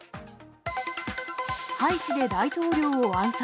ハイチで大統領を暗殺。